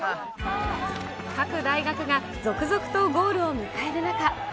各大学が続々とゴールを迎える中。